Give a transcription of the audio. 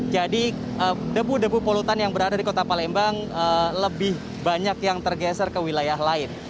jadi debu debu polutan yang berada di kota palembang lebih banyak yang tergeser ke wilayah lain